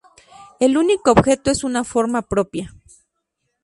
El único objeto es una forma propia.